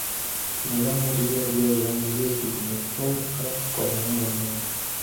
Binadamu wote bila kujali rangi zetu tumetoka kwa Muumba mmoja